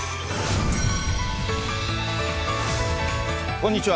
こんにちは。